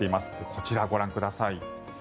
こちらご覧ください。